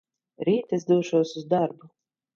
Rīt es došos uz darbu.